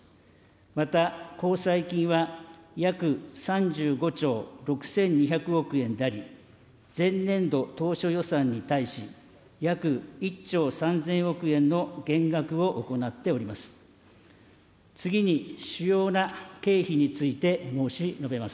また公債金は約３５兆６２００億円であり、前年度当初予算に対し、約１兆３０００億円の減額を行っております。